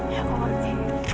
ya aku ngerti